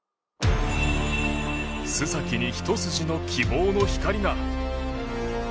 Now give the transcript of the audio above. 須崎に一筋の希望の光が。